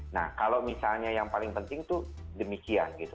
nah kalau misalnya yang paling penting itu demikian gitu